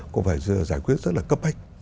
cũng phải giải quyết rất là cấp bách